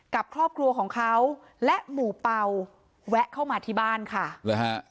กับครอบครัวของเขาและหมู่เป่าแวะเข้ามาที่บ้านค่ะหรือฮะ